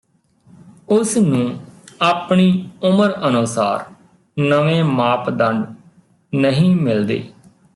ਉਸ ਨੂੰ ਆਪਣੀ ਉਮਰ ਅਨੁਸਾਰ ਨਵੇਂ ਮਾਪਦੰਡ ਨਹੀਂ ਮਿਲਦੇ